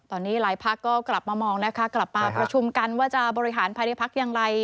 ตอนนี้หลายพักก็กลับมามองนะคะกลับมาประชุมกันว่าจะบริหารภายในพักอย่างไร